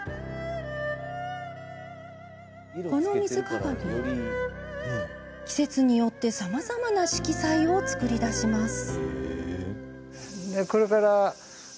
この水鏡、季節によってさまざまな色彩を作り出します。